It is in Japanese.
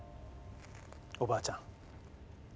おばあちゃん。